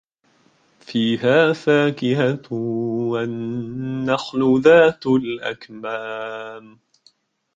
فِيهَا فَاكِهَةٌ وَالنَّخْلُ ذَاتُ الأَكْمَامِ